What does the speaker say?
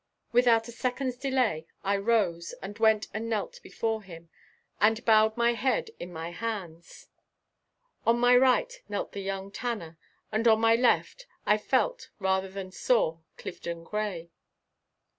Without a second's delay I rose and went and knelt before him and bowed my head in my hands. On my right knelt the young tanner and on my left I felt rather than saw Clifton Gray.